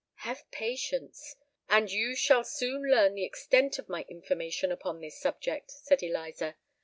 "Have patience—and you shall soon learn the extent of my information upon this subject," said Eliza.